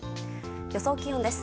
予想気温です。